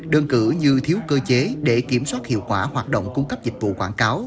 đơn cử như thiếu cơ chế để kiểm soát hiệu quả hoạt động cung cấp dịch vụ quảng cáo